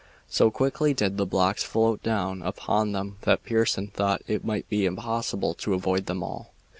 So quickly did the blocks float down upon them that Pearson thought it might be impossible to avoid them all.